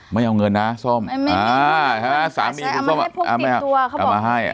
ไม่เอาเงินนะส้มไม่มีใช่ไหมสามีคุณส้มเอามาให้พกติดตัวเขาบอกเอามาให้